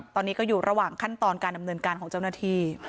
ตอนนี้ก็อยู่ระหว่างขั้นตอนการดำเนินการของเจ้าหน้าที่